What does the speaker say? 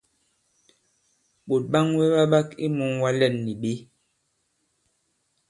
Ɓòt ɓaŋwɛ ɓa ɓak i mūŋwa lɛ᷇n nì ɓě?